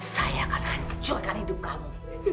saya akan hancurkan hidup kamu